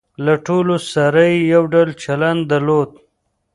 له ټولو سره یې یو ډول چلن درلود.